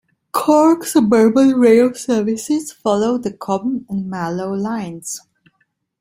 Cork Suburban Rail services follow the Cobh and Mallow lines.